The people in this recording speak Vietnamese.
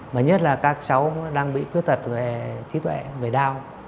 mà nhất là các cháu đang bị khuyết tật về trí tuệ về đau